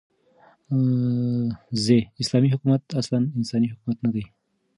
ز : اسلامې حكومت اصلاً انساني حكومت نه دى